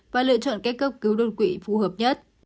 và lựa chọn cách cấp cứu đột quỵ phù hợp nhất